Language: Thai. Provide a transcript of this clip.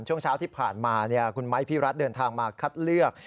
ช่วงเช้าที่ผ่านมาคุณไม้พี่รัฐเดินทางมาคัดเลือก